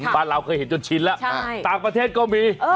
บ้านเราเคยเห็นจนชินแล้วต่างประเทศก็มี